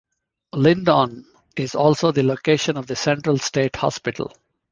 Lyndon is also the location of the Central State Hospital.